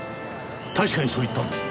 確かにそう言ったんですね？